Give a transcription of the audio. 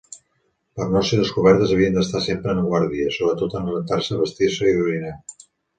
Per no ser descobertes havien d'estar sempre en guàrdia, sobretot en rentar-se, vestir-se i orinar.